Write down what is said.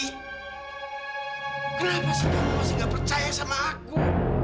kenapa kamu masih gak percaya sama aku